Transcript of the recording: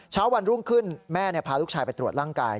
เช้าวันรุ่งขึ้นแม่พาลูกชายไปตรวจร่างกาย